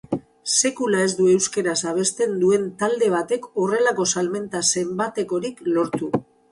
Sekula ez du euskaraz abesten duen talde batek horrelako salmenta-zenbatekorik lortu.